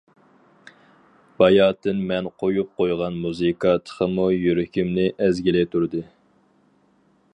باياتىن مەن قويۇپ قويغان مۇزىكا تېخىمۇ يۈرىكىمنى ئەزگىلى تۇردى.